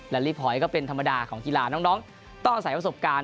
และลีพอยก็เป็นธรรมดาของกีฬาน้องต้องอาศัยประสบการณ์